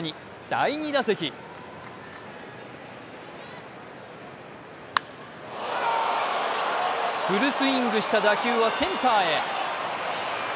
第２打席、フルスイングした打球はセンターへ。